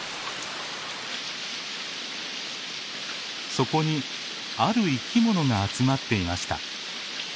そこにある生き物が集まっていました。